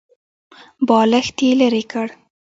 بالښت يې ليرې کړ.